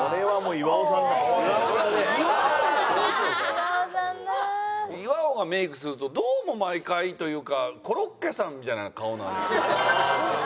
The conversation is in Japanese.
岩尾がメイクするとどうも毎回というかコロッケさんみたいな顔になるねんな。